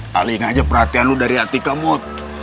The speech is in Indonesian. taliin aja perhatian lu dari atika mut